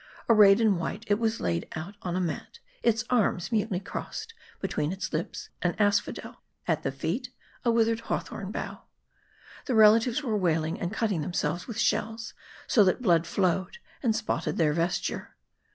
Arrayed in white, it was laid out on a mat ; its arms mutely crossed, between its lips an asphodel ; at the feet, a withered hawthorn bough. The relatives were wailing, and cutting themselves with shells, so that blood flowed, and spotted their vesture.